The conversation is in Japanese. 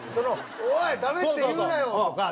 「おいダメって言うなよ！」とか。